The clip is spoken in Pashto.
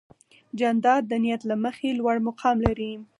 جانداد د نیت له مخې لوړ مقام لري.